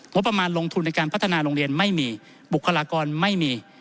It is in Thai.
งบประมาณลงทุนในการพัฒนาโรงเรียนไม่มีบุคลากรไม่มี